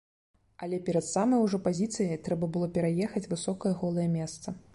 Але перад самай ужо пазіцыяй трэба было пераехаць высокае голае месца.